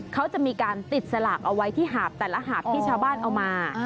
เขาจะมีการติดสลากเอาไว้ที่หาบแต่ละหาบที่ชาวบ้านเอามา